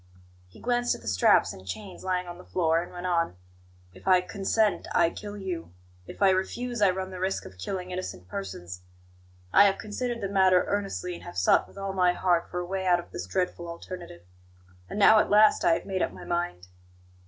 He glanced at the straps and chains lying on the floor, and went on: "If I consent, I kill you; if I refuse, I run the risk of killing innocent persons. I have considered the matter earnestly, and have sought with all my heart for a way out of this dreadful alternative. And now at last I have made up my mind."